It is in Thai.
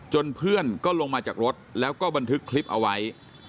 เพื่อนก็ลงมาจากรถแล้วก็บันทึกคลิปเอาไว้